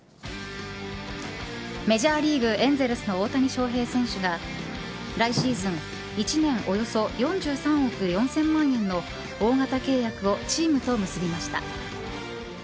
メジャーリーグエンゼルスの大谷翔平選手が来シーズン１年およそ４３億４０００万円の大型契約をチームと結びました。